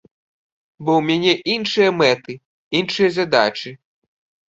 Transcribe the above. Бо ў мяне іншыя мэты, іншыя задачы.